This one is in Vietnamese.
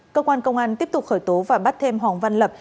cơ quan công an tiếp tục khởi tố và bắt thêm hoàng văn lập